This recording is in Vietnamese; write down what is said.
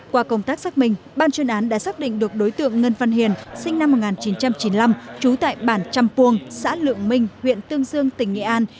qua công tác xác minh ban chuyên án đã xác định được đối tượng ngân văn hiền sinh năm một nghìn chín trăm chín mươi năm trú tại bản trăm puông xã lượng minh huyện tương dương tỉnh nghệ an